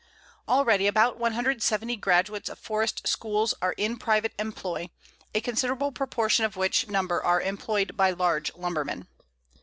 Already about 170 graduates of forest schools are in private employ, a considerable proportion of which number are employed by large lumbermen.